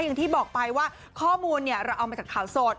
อย่างที่บอกไปว่าข้อมูลเราเอามาจากข่าวโสด